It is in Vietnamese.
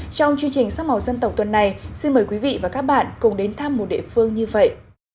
trong chương trình sắc màu dân tộc tuần này xin mời quý vị và các bạn cùng đến thăm một địa phương như vậy